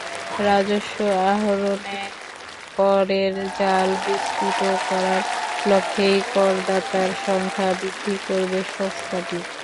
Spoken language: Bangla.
রাজস্ব আহরণে করের জাল বিস্তৃত করার লক্ষ্যেই করদাতার সংখ্যা বৃদ্ধি করবে সংস্থাটি।